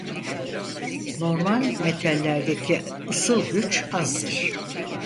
Normal metallerdeki ısıl güç azdır.